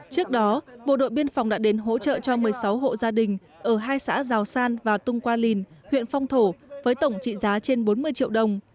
trước đó bộ đội biên phòng đã đến hỗ trợ cho một mươi sáu hộ gia đình ở hai xã giào san và tung qua lìn huyện phong thổ với tổng trị giá trên bốn mươi triệu đồng